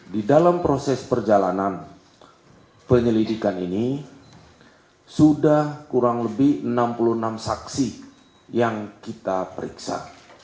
di dalam proses perjalanan penyelidikan ini sudah kurang lebih enam puluh enam saksi yang kita periksa